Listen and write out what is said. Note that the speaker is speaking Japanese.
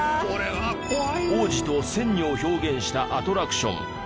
王子と仙女を表現したアトラクション